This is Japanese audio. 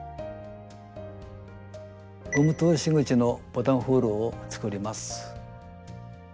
ゴム通し口のボタンホールを作ります。